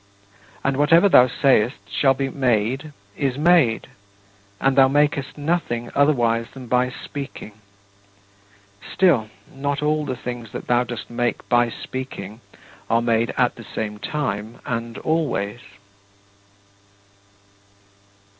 And whatever thou sayest shall be made is made, and thou makest nothing otherwise than by speaking. Still, not all the things that thou dost make by speaking are made at the same time and always.